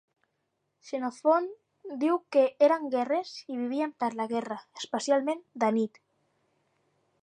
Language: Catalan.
Xenofont diu que eren guerrers i vivien per la guerra, especialment de nit.